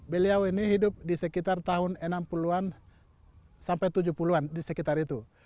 beliau ini hidup di sekitar tahun enam puluh an sampai tujuh puluh an di sekitar itu